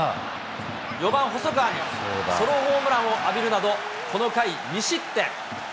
４番細川にソロホームランを浴びるなど、この回２失点。